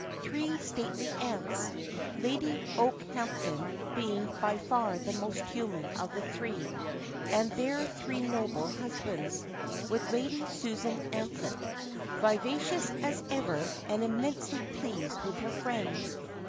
Three stately aunts, Lady Okehampton being by far the most human of the three, and their three noble husbands, with Lady Susan Amphlett, vivacious as ever, and immensely pleased with her friend.